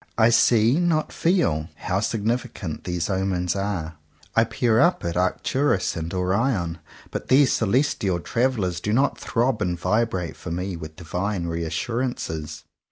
"I see, not feel," how signi ficant these omens are. I peer up at Arcturus and Orion: but these celestial travellers do not throb and vibrate for me with divine reassurances.